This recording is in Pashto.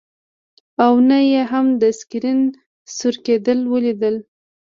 او نه یې هم د سکرین سور کیدل ولیدل